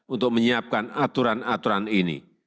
untuk menyiapkan aturan aturan ini